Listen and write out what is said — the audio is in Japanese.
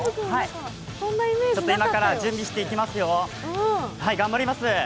今から準備していきますよ、頑張ります。